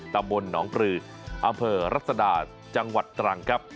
ตำบลหนองปลืออำเภอรัศดาจังหวัดตรังครับ